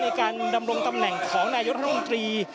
ในการดำรงตำแหน่งของนายุทธรรมดี